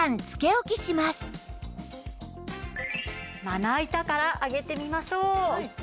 まな板から上げてみましょう。